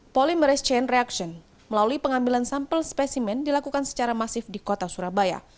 polymerase chain reaction melalui pengambilan sampel spesimen dilakukan secara masif di kota surabaya